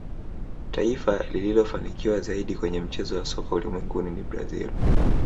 taifa lililofanikiwa zaidi kwenye mchezo wa soka ulimwenguni ni brazil